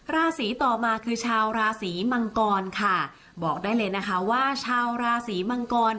ราศีต่อมาคือชาวราศีมังกรค่ะบอกได้เลยนะคะว่าชาวราศีมังกร